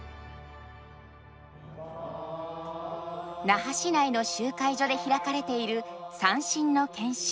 那覇市内の集会所で開かれている三線の研修。